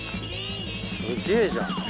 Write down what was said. すげぇじゃん。